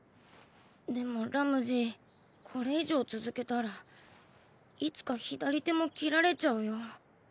でもラムジーこれ以上続けたらいつか左手も切られちゃうよ。